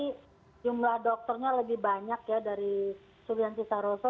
jadi jumlah dokternya lebih banyak ya dari sulianti saroso